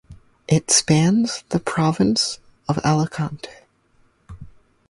It spans the province of Alicante.